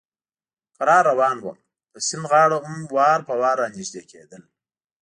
کرار روان ووم، د سیند غاړه هم وار په وار را نږدې کېدل.